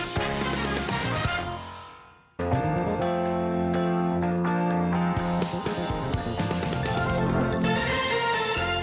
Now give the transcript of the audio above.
สวัสดีค่ะ